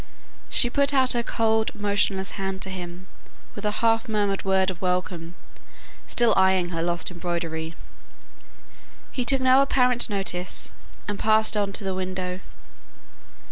She put out her cold, motionless hand to him, with a half murmured word of welcome, still eyeing her lost embroidery. He took no apparent notice, and passed on to the window.